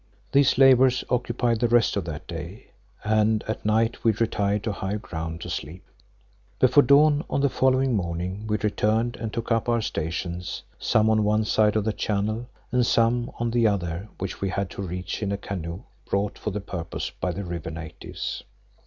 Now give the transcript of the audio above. These labours occupied the rest of that day, and at night we retired to higher ground to sleep. Before dawn on the following morning we returned and took up our stations, some on one side of the channel and some on the other which we had to reach in a canoe brought for the purpose by the river natives.